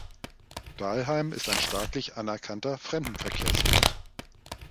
Dahlheim ist ein staatlich anerkannter Fremdenverkehrsort.